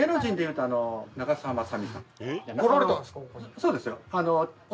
そうですよ。